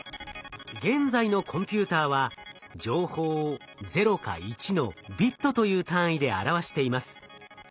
現在のコンピューターは情報を「０」か「１」のビットという単位で表しています。